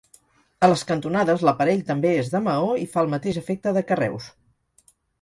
A les cantonades l'aparell també és de maó i fa el mateix efecte de carreus.